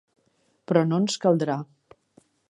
Però no ens caldrà.